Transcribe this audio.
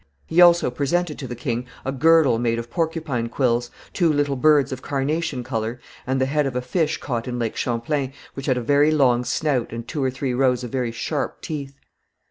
He also presented to the king a girdle made of porcupine quills, two little birds of carnation colour, and the head of a fish caught in Lake Champlain, which had a very long snout, and two or three rows of very sharp teeth.